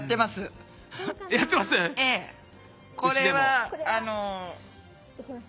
これはいきます。